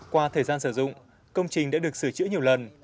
qua thời gian sử dụng công trình đã được sửa chữa nhiều lần